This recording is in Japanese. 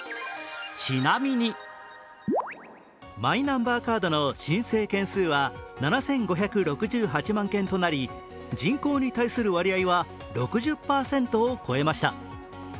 マイナンバーカードの申請件数は７５６８万件となり人口に対する割合は６０％を超えました。